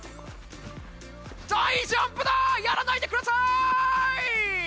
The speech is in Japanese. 大ジャンプだ！やらないでください！